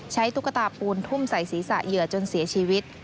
ตุ๊กตาปูนทุ่มใส่ศีรษะเหยื่อจนเสียชีวิต